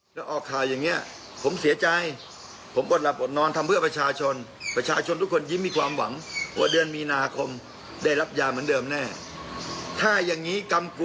ปกติแจกที่